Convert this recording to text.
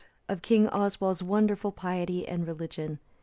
Of King Oswald's wonderful piety and religion.